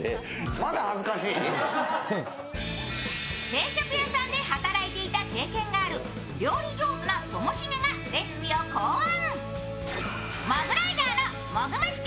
定食屋さんで働いていた経験がある料理上手なともしげがレシピを考案。